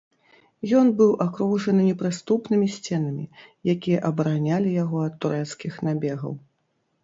Ён быў акружаны непрыступнымі сценамі, якія абаранялі яго ад турэцкіх набегаў.